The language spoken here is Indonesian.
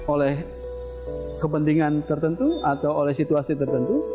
oleh kepentingan tertentu atau oleh situasi tertentu